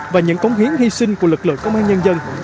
và những cống hiến hy sinh của lực lượng công an nhân dân